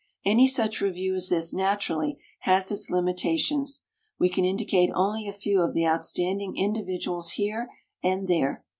Any such review as this naturally has its limitations. We can indicate only a few of the outstanding individuals here and there.